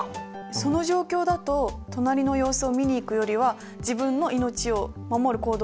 その状況だと隣の様子を見に行くよりは自分の命を守る行動をする方が大事かもしれない。